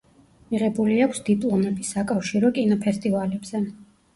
მიღებული აქვს დიპლომები საკავშირო კინოფესტივალებზე.